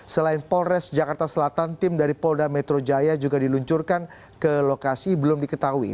selain polres jakarta selatan tim dari polda metro jaya juga diluncurkan ke lokasi belum diketahui